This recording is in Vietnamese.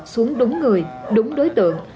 xuống đúng người đúng đối tượng